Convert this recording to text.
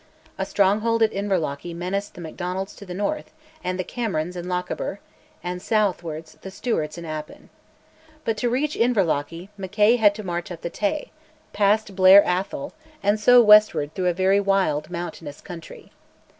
A stronghold at Inverlochy menaced the Macdonalds to the north, and the Camerons in Lochaber, and, southwards, the Stewarts in Appin. But to reach Inverlochy Mackay had to march up the Tay, past Blair Atholl, and so westward through very wild mountainous country.